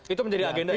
itu menjadi agenda ya